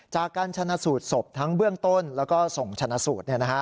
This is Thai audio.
จากการชนะสูตรศพทั้งเบื้องต้นแล้วก็ส่งชนะสูตร